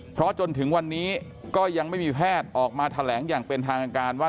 เพราะจนถึงวันนี้ก็ยังไม่มีแพทย์ออกมาแถลงอย่างเป็นทางการว่า